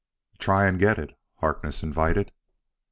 "Try and get it," Harkness invited.